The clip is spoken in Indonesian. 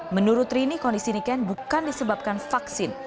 menurut rini kondisi niken bukan disebabkan vaksin